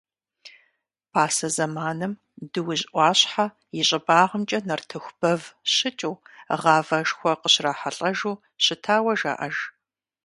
Пасэ зэманым Дуужь ӏуащхьэ и щӏыбагъымкӏэ нартыху бэв щыкӏыу, гъавэшхуэ къыщрахьэлӏэжу щытауэ жаӏэж.